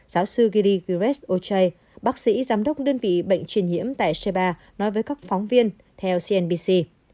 giáo sư giri giresh ocay bác sĩ giám đốc đơn vị bệnh truyền nhiễm tại sheba nói với các phóng viên theo cnbc